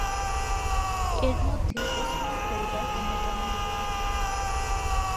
এর মধ্যে উসমান পরিবার অন্যতম।